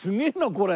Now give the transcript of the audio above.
これ。